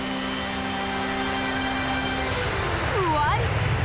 ふわり！